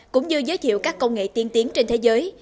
cũng như giới thiệu các công nghệ tiên tiến trên thế giới